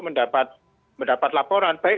mendapat laporan baik